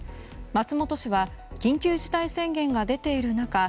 松本氏は緊急事態宣言が出ている中